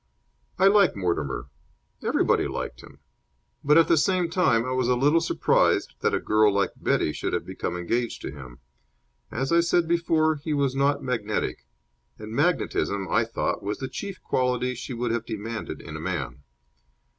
I like Mortimer. Everybody liked him. But, at the same time, I was a little surprised that a girl like Betty should have become engaged to him. As I said before, he was not magnetic; and magnetism, I thought, was the chief quality she would have demanded in a man.